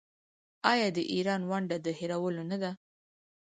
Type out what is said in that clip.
آیا د ایران ونډه د هیرولو نه ده؟